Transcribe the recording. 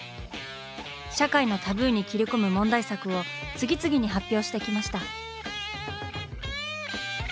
社会のタブーに切り込む問題作を次々に発表してきました。